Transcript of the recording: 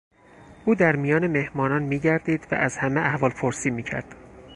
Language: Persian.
او در میان مهمانان میگردید و از همه احوالپرسی میکرد.